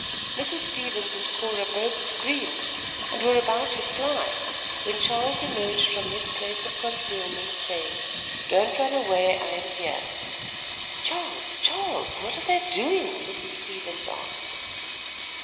Mrs. Stevens and Cora both screamed, and were about to fly, when Charles emerged from his place of concealment, saying: "Don't run away, I am here." "Charles! Charles! what were they doing?" Mrs. Stevens asked.